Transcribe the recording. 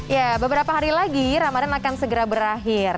ya beberapa hari lagi ramadan akan segera berakhir